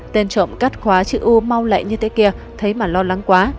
tên trộm cắt khóa chữ u mau lẹ như thế kia thấy mà lo lắng quá